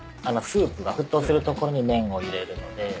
スープが沸騰するところに麺を入れるので。